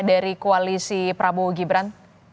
dari koalisi prabowo gibran